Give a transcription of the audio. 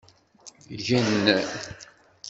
Gen!